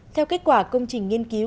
theo kết quả công trình nghiên cứu